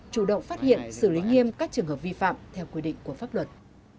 chủ động phát hiện xử lý nghiêm các trường hợp vi phạm theo quy định của pháp luật